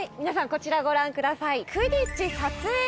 こちらご覧ください。